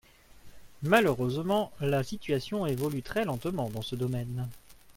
Malheureusement, la situation évolue très lentement dans ce domaine.